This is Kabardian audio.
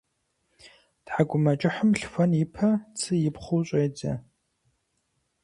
Тхьэкӏумэкӏыхьым лъхуэн ипэ цы ипхъыу щӏедзэ.